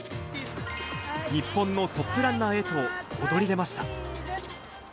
日本のトップランナーへと躍り出ました。